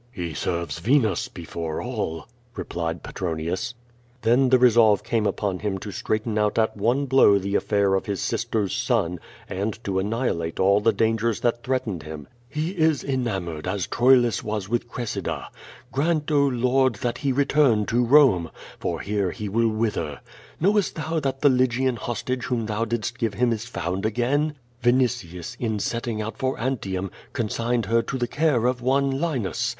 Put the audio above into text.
*'He serves Venus before all," replied Petronius. Then the resolve came upon him to straighten out at one blow the affair of his sister's son, and to annihilate all the dangers that threatened him. "He is enamoured as Troilus was with Cressida. Grant, oh. Lord, that he return to Rome, for here he will wither. Knowest thou that the Lygian hostage whom thou didst give him is found again? Vinitius, in setting out for Antium, consigned her to the care of one Linus.